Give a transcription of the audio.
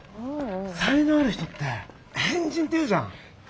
才能ある人って変人っていうじゃん。